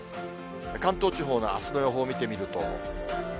関東地方のあすの予報見てみると。